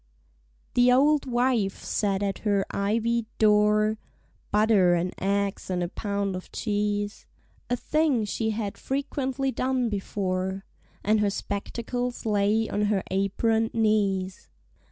THE auld wife sat at her ivied door, (Butter and eggs and a pound of cheese) A thing she had frequently done before; And her spectacles lay on her apron'd knees.